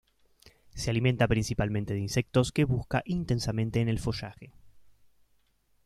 Se alimenta principalmente de insectos que busca intensamente en el follaje.